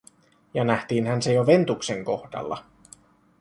Ja nähtiinhän se jo Ventuksen kohdalla.